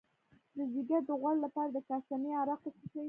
د ځیګر د غوړ لپاره د کاسني عرق وڅښئ